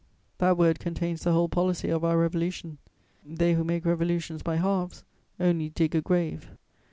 That word contains the whole policy of our Revolution; they who make revolutions by halves only dig a grave.